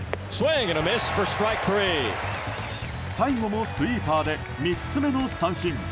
最後もスイーパーで３つ目の三振。